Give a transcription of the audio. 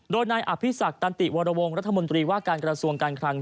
โดยนายอภิษักตันติวรวงรัฐมนตรีว่าการกระทรวงการคลัง